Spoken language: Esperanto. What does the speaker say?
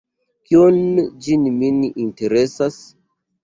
Kion ĝi min interesas?